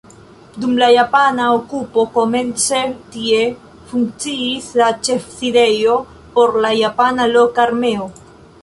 Dum la japana okupo komence tie funkciis la ĉefsidejo por la japana loka armeo.